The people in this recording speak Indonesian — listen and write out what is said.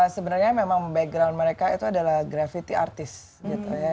sebenarnya memang background mereka itu adalah gravity artist gitu ya